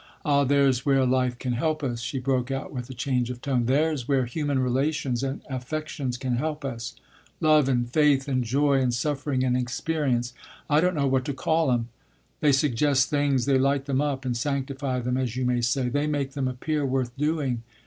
Ah there's where life can help us," she broke out with a change of tone, "there's where human relations and affections can help us; love and faith and joy and suffering and experience I don't know what to call 'em! They suggest things, they light them up and sanctify them, as you may say; they make them appear worth doing."